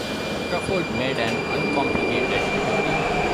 Crawford made an uncomplicated recovery.